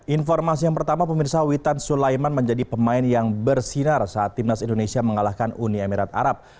informasi yang pertama pemirsa witan sulaiman menjadi pemain yang bersinar saat timnas indonesia mengalahkan uni emirat arab